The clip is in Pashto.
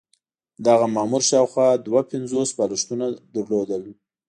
دغه مامور شاوخوا دوه پنځوس بالښتونه لرل.